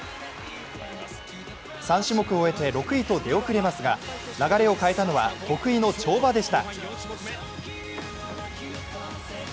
３種目を終えて６位と出遅れますが流れを変えたのは得意の跳馬でした。